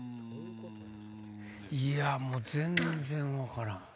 いやもう全然分からん。